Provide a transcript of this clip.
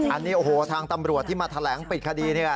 อันนี้โอ้โหทางตำรวจที่มาแถลงปิดคดีเนี่ย